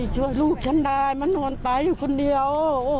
ช่วยลูกฉันได้มานอนตายอยู่คนเดียว